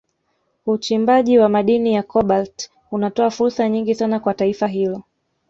Uchimbaji wa madini ya Kobalti unatoa fursa nyingi sana kwa taifa hilo